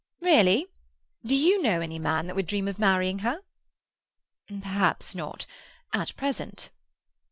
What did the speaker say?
"Really? Do you know any man that would dream of marrying her?" "Perhaps not, at present."